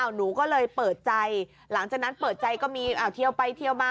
หนูก็เลยเปิดใจหลังจากนั้นเปิดใจก็มีเที่ยวไปเที่ยวมา